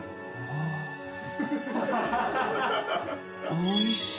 おいしい。